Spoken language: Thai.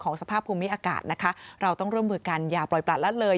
สภาพภูมิอากาศนะคะเราต้องร่วมมือกันอย่าปล่อยประละเลย